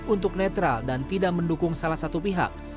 untuk netral dan tidak mendukung salah satu pihak